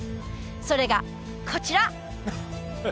それがこちら！